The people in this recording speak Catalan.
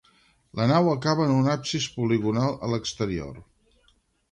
La nau acaba en un absis poligonal a l'exterior.